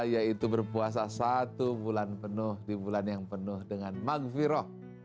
yaitu berpuasa satu bulan penuh di bulan yang penuh dengan maghfirah